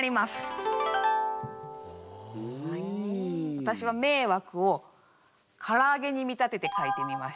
私は迷惑をからあげに見立てて書いてみました。